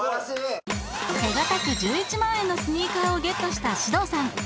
手堅く１１万円のスニーカーをゲットした獅童さん